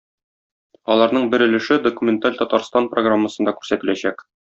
Аларның бер өлеше "Документаль Татарстан" программасында күрсәтеләчәк.